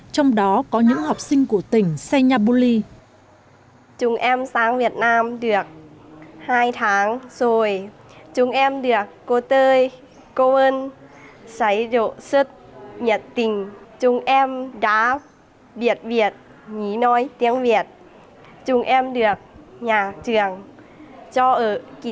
trong đó có những học sinh của tỉnh sanya buli